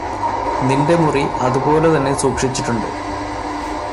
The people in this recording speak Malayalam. നിന്റെ മുറി അതുപോലെ തന്നെ സൂക്ഷിച്ചിട്ടുണ്ട്